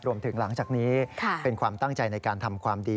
หลังจากนี้เป็นความตั้งใจในการทำความดี